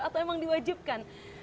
atau emang diwajibkan